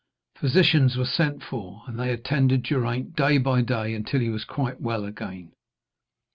Physicians were sent for, and they attended Geraint day by day until he was quite well again.